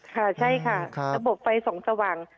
ค่ะใช่ค่ะระบบไฟส่องสว่าง